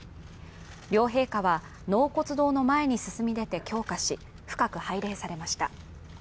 両陛下は納骨堂の前に進み出て供花し、深く拝礼されました。